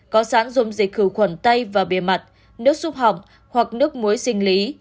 có sản dụng dịch khử khuẩn tay và bề mặt nước xúc hỏng hoặc nước muối sinh lý